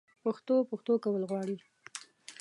پښتو؛ پښتو کول غواړي